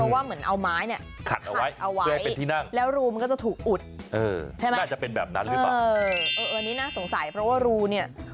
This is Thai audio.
เพราะว่าเหมือนเอาไม้เนี่ย